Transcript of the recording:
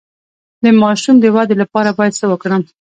د ماشوم د ودې لپاره باید څه ورکړم؟